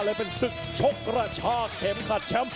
เลยเป็นศึกชกกระชากเข็มขัดแชมป์